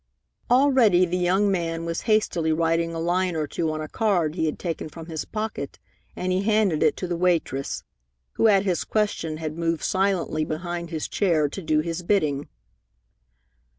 Already the young man was hastily writing a line or two on a card he had taken from his pocket, and he handed it to the waitress, who at his question had moved silently behind his chair to do his bidding.